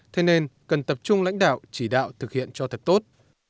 thế nên cần tập trung lãnh đạo chỉ đạo thực hiện cho thật tốt